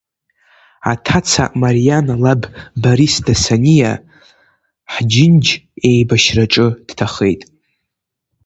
Аҭаца Мариана лаб Борис Дасаниа ҳџьынџь еибашьраҿы дҭахеит.